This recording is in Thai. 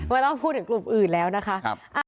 ไม่ต้องพูดถึงกลุ่มอื่นแล้วนะคะ